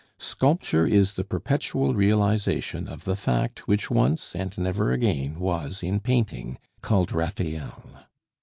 Sculpture is the perpetual realization of the fact which once, and never again, was, in painting called Raphael!